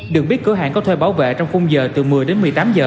được biết cửa hàng có thuê bảo vệ trong khung giờ từ một mươi đến một mươi tám giờ